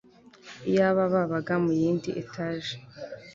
iyaba babaga muyindi etage